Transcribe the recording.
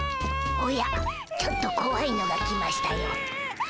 おやちょっとこわいのが来ましたよ。